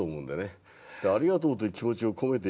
ありがとうという気持ちを込めてやれば何事もね